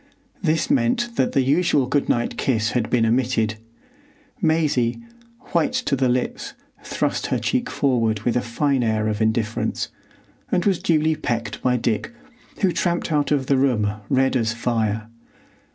This meant that the usual good night kiss had been omitted. Maisie, white to the lips, thrust her cheek forward with a fine air of indifference, and was duly pecked by Dick, who tramped out of the room red as fire.